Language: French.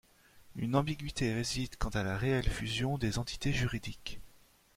Une ambigüité réside quant à la réelle fusion des entités juridiques.